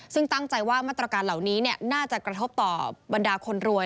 ซึ่งตั้งใจว่ามาตรการเหล่านี้น่าจะกระทบต่อบรรดาคนรวย